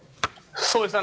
そうですね。